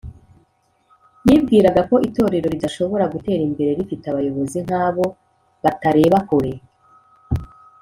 yibwiraga ko itorero ridashobora gutera imbere rifite abayobozi nk’abo batareba kure